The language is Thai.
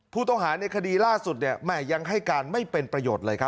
ผู้ต้องหาในคดีล่าสุดแม่ยังให้การไม่เป็นประโยชน์เลยครับ